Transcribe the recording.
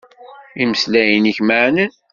Imeslayen-ik meɛnen.